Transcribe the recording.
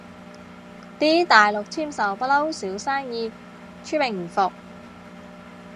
啲大陸簽售不嬲少生意，出名伏